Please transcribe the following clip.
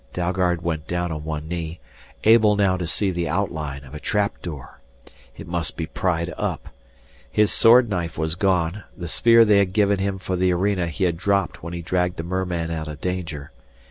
Dalgard went down on one knee, able now to see the outline of a trap door. It must be pried up. His sword knife was gone, the spear they had given him for the arena he had dropped when he dragged the merman out of danger.